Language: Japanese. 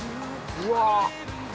◆うわ。